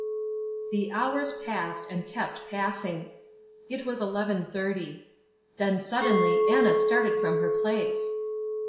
The hours passed, and kept passing. It was 11.30. Then suddenly Anna started from her place.